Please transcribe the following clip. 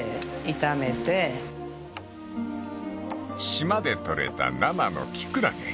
［島で採れた生のキクラゲ］